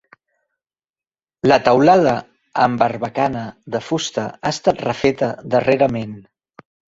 La teulada amb barbacana de fusta ha estat refeta darrerament.